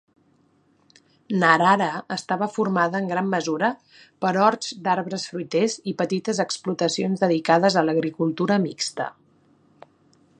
Narara estava formada en gran mesura per horts d'arbres fruiters i petites explotacions dedicades a l'agricultura mixta.